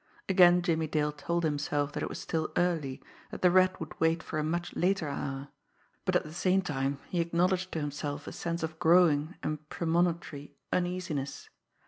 Again Jimmie Dale told himself that it was still early, that the Rat would wait for a much later hour but at the same time he acknowledged to himself a sense of growing and premonitory uneasiness.